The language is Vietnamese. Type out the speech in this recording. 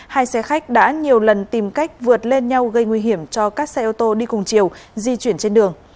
hai xe khách đã nhiều lần tìm cách vượt lên nhau gây nguy hiểm cho các xe ô tô đi cùng chiều di chuyển trên đường